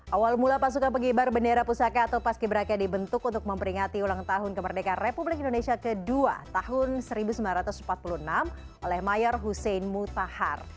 awal mula pasukan pengibar bendera pusaka atau paski beraka dibentuk untuk memperingati ulang tahun kemerdekaan republik indonesia ke dua tahun seribu sembilan ratus empat puluh enam oleh mayor hussein mutahar